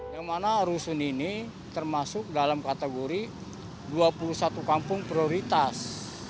yang mana rusun ini termasuk dalam kategori dua puluh satu kampung prioritas